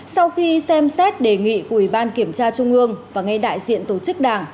sau khi xem xét đề nghị của ủy ban kiểm tra trung ương và ngay đại diện tổ chức đảng